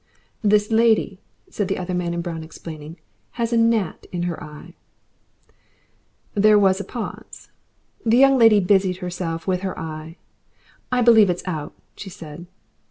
"This lady," said the other man in brown, explaining, "has a gnat in her eye." There was a pause. The young lady busied herself with her eye. "I believe it's out," she said.